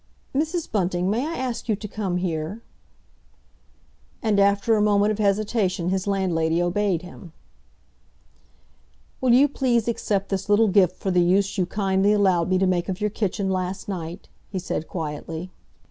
"Mrs. Bunting, may I ask you to come here?" And after a moment of hesitation his landlady obeyed him. "Will you please accept this little gift for the use you kindly allowed me to make of your kitchen last night?" he said quietly.